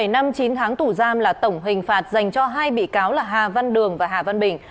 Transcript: một mươi bảy năm chín tháng tủ giam là tổng hình phạt dành cho hai bị cáo là hà văn đường và hà văn bình